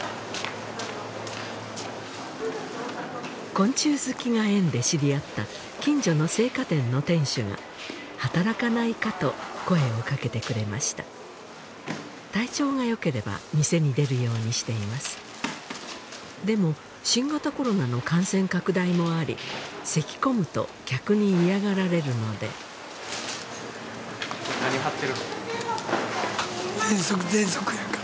昆虫好きが縁で知り合った近所の青果店の店主が働かないかと声をかけてくれました体調がよければ店に出るようにしていますでも新型コロナの感染拡大もありせきこむと客に嫌がられるので何貼ってるの？